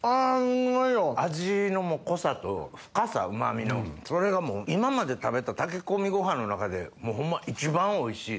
味の濃さと深さうま味のそれがもう今まで食べた炊き込みご飯の中でホンマ一番おいしいです。